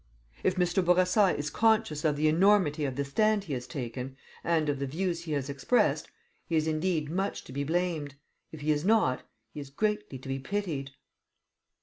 If Mr. Bourassa is conscious of the enormity of the stand he has taken, and of the views he has expressed, he is indeed much to be blamed; if he is not, he is greatly to be pitied.